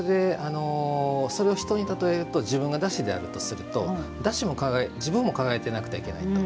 それを人に例えると自分がだしであるとすると自分も輝いてなくてはいけないと。